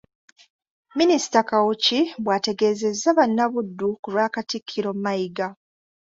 Minisita Kawuki bw’ategeezezza bannabuddu ku lwa Katikkiro Mayiga.